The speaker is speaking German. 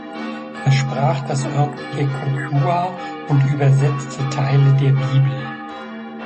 Er sprach das örtliche Quechua und übersetzte Teile der Bibel.